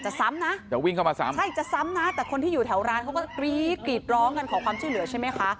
ซ้ำนะจะวิ่งเข้ามาซ้ำใช่จะซ้ำนะแต่คนที่อยู่แถวร้านเขาก็กรี๊ดกรีดร้องกันขอความช่วยเหลือใช่ไหมคะ